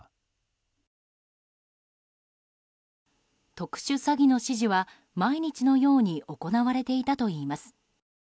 特殊詐欺の指示は毎日のように行われていたといいます。